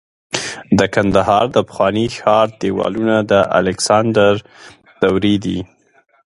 د کندهار د پخواني ښار دیوالونه د الکسندر دورې دي